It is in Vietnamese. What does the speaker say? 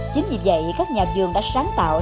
chính vì vậy các nhà vườn đã sáng tạo